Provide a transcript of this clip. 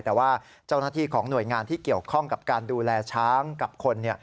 แต่ว่าเจ้าหน้าที่ของหน่วยงานที่เกี่ยวข้องกับการดูแลช้างกับคน